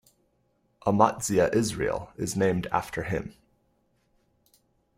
Amatzia, Israel is named after him.